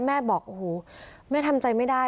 แม่บอกโอ้โหแม่ทำใจไม่ได้